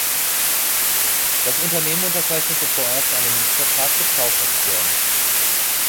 Das Unternehmen unterzeichnete vorerst einen Mietvertrag mit Kaufoption.